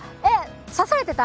刺されてた？